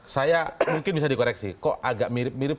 saya mungkin bisa dikoreksi kok agak mirip mirip